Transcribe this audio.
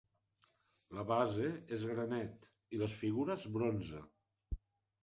La base és granet i, les figures, bronze.